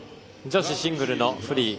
女子シングルのフリー。